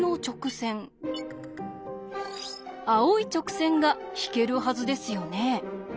青い直線が引けるはずですよね。